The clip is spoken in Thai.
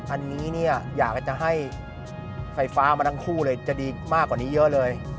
อันนี้เนี่ยอยากจะให้ไฟฟ้ามาทั้งคู่เลยจะดีมากกว่านี้เยอะเลย